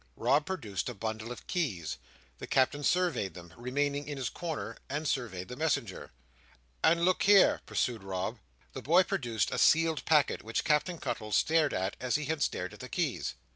Rob produced a bundle of keys. The Captain surveyed them, remained in his corner, and surveyed the messenger. "And look here!" pursued Rob. The boy produced a sealed packet, which Captain Cuttle stared at as he had stared at the keys.